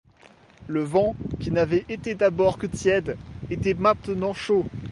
Le vent, qui n’avait été d’abord que tiède, était maintenant chaud.